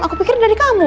aku pikir dari kamu